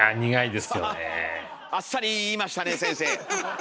あっさり言いましたねえ先生！